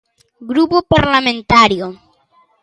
Grupo Parlamentario.